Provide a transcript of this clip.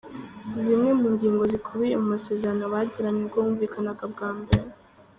Zimwe mu ngingo zikubiye mu masezerano bagiranye ubwo bumvikanaga bwa mbere.